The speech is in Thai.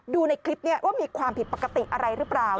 ดูในคลิปนี้ว่ามีความผิดปกติอะไรหรือเปล่า